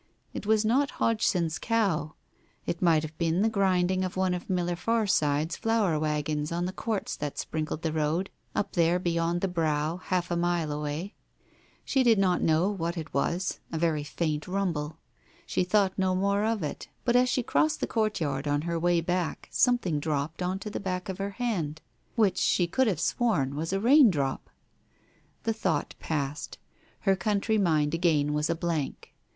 It was not Hodgson's cow. ... It might have been the grinding of one of Miller Farsyde's flour wagons on the quartz that sprinkled the road up there Digitized by Google 222 TALES OF THE UNEASY beyond the brow — half a mile away. She did not know what it was — a very faint rumble. She thought no more of it, but as she crossed the courtyard on her way back something dropped on to the back of her hand which she could have sworn was a rain drop. ...! The thought passed. Her country mind again was a blank.